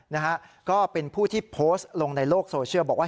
นะฮะก็เป็นผู้ที่โพสต์ลงในโลกโซเชียลบอกว่า